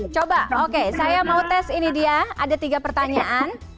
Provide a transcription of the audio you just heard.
coba oke saya mau tes ini dia ada tiga pertanyaan